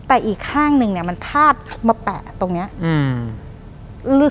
แต่อีกข้างหนึ่งเนี่ยมันพาดมาแปะตรงเนี้ยอืม